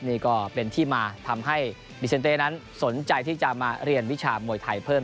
นี่ก็เป็นที่มาทำให้พรีเซนเต้นั้นสนใจที่จะมาเรียนวิชามวยไทยเพิ่ม